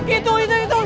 itu itu itu